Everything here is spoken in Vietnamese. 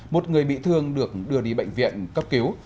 một người bị thương được đưa đi bệnh viện cấp cứu